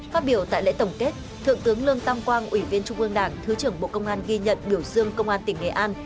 phát biểu tại lễ tổng kết thượng tướng lương tam quang ủy viên trung ương đảng thứ trưởng bộ công an ghi nhận biểu dương công an tỉnh nghệ an